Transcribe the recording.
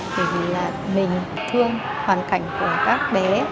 bởi vì là mình thương hoàn cảnh của các bé